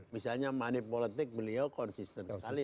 misalnya money politic beliau konsisten sekali